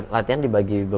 latihan dibagi gebelet